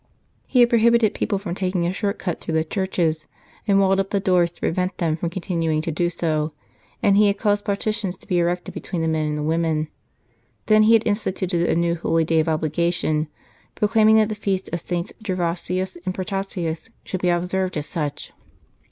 He had prohibited people from taking a short cut through the churches, and walled up the doors to prevent them from continuing to do so, and he had caused partitions to be erected between the men and the women. Then he had instituted a new holiday of obligation, proclaiming that the feast of SS. Gervasius and Protasius should be observed as such.